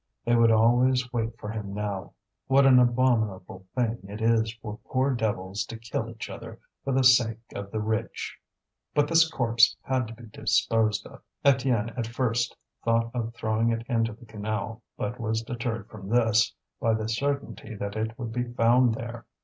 They would always wait for him now. What an abominable thing it is for poor devils to kill each other for the sake of the rich! But this corpse had to be disposed of. Étienne at first thought of throwing it into the canal, but was deterred from this by the certainty that it would be found there.